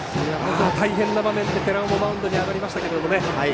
大変な場面で寺尾もマウンドに上がりましたが。